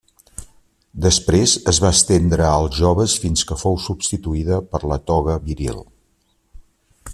Després es va estendre als joves fins que fou substituïda per la toga viril.